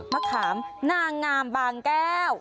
มะขามนางงามบางแก้ว